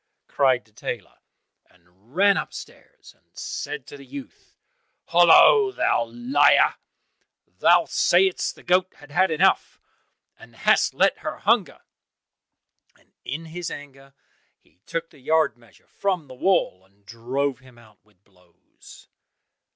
cried the tailor, and ran upstairs and said to the youth, "Hollo, thou liar: thou saidest the goat had had enough, and hast let her hunger!" and in his anger he took the yard measure from the wall, and drove him out with blows.